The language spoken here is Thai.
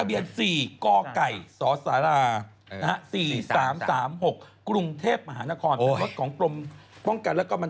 รถเขาวาทีทรานฟอร์เมอร์พลาสโปร์